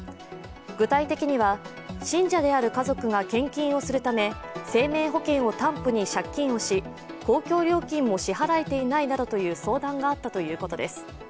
具体的には信者である家族が献金をするため生命保険を担保に借金をし公共料金も支払えていないなどという相談があったということです。